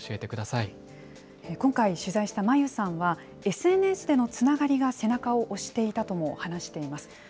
今回、取材したまゆさんは、ＳＮＳでのつながりが背中を押していたとも話しています。